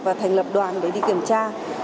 và thành lập đoàn để đi kiểm tra